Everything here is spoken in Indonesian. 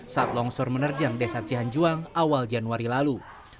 saat longsor menerjang desa cihanjuang awal januari lalu